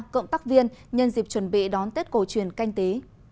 cộng tác viên nhân dịp chuẩn bị đón tết cổ truyền canh tí